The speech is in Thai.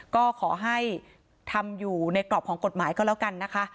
ก็ขอให้ทำอยู่ในกรอบของกฎหมายก็แล้วกันนะคะ